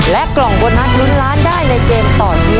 กล่องโบนัสลุ้นล้านได้ในเกมต่อชีวิต